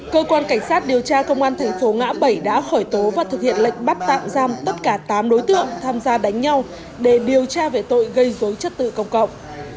cơ quan cảnh sát điều tra công an thành phố ngã bảy đã khởi tố và thực hiện lệnh bắt tạm giam tất cả tám đối tượng tham gia đánh nhau để điều tra về tội gây dối chất tự công cộng